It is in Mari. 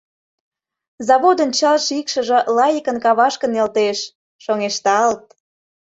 Заводын чал шикшыже лайыкын Кавашке нӧлтеш, шоҥешталт.